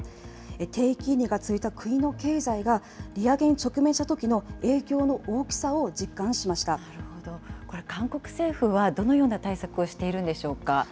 低金利が続いた国の経済が利上げに直面したときの影響の大きさをなるほど、これ、韓国政府はどのような対策をしているんでしょうか。